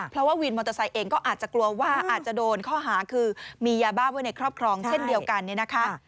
เพราะว่าวินมอเตอร์ไซค์เองก็อาจจะกลัวว่าอาจจะโดนข้อหาคือมียาบ้าไว้ในครอบครองเช่นเดียวกันเนี่ยนะคะ